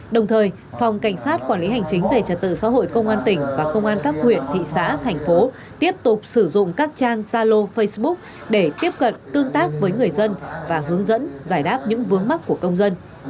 đồng thời phòng cảnh sát quản lý hành chính về trật tự xã hội công an tỉnh và công an các huyện thị xã thành phố tiếp tục sử dụng các trang gia lô facebook để tiếp cận tương tác với người dân và hướng dẫn giải đáp những vướng mắt của công dân